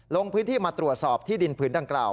ลงพื้นที่มาตรวจสอบที่ดินผืนดังกล่าว